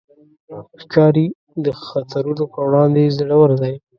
ښکاري د خطرونو پر وړاندې زړور دی.